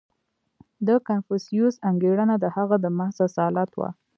• د کنفوسیوس انګېرنه د هغه د محض اصالت وه.